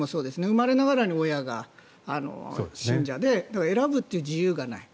生まれながらに親が信者で選ぶっていう自由がない。